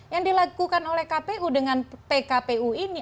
yang dilakukan oleh kpu dengan pkpu ini